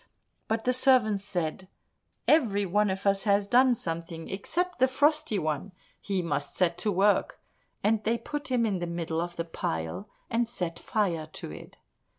But the servants said, "Every one of us has done something except the Frosty One, he must set to work," and they put him in the middle of the pile, and set fire to it.